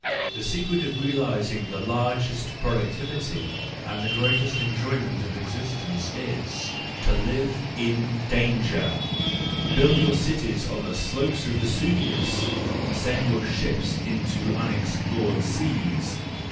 —the secret of realising the largest productivity and the greatest enjoyment of existence is to live in danger l Build your cities on the slope of Vesuvius! Send your ships into unexplored seas